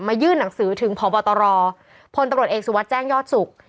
ยื่นหนังสือถึงพบตรพลตำรวจเอกสุวัสดิ์แจ้งยอดสุข